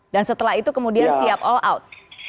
dan setelah itu kemudian siap all out